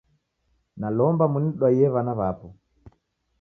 Nalomba munidwaye wana wapo